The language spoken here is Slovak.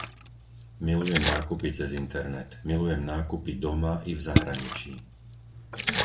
Milujem nákupy cez internet, milujem nákupy doma i v zahraničí.